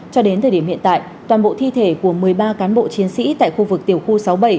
cho đến thời điểm hiện tại toàn bộ thi thể của một mươi ba cán bộ chiến sĩ tại khu vực tiểu khu sáu mươi bảy